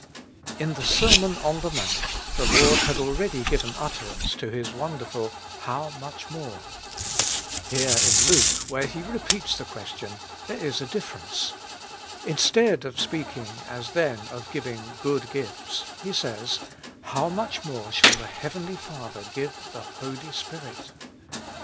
IN the Sermon on the Mount, the Lord had ah'eady given utterance to His wonderful How much MORE ? Here in Luke, where He repeats the ques tion, there is a difference. Instead of speaking, as then, of giving good gifts, He says, " How much more shall the heavenly Father give the Holy Spirit?